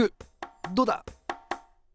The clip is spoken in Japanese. どうだ！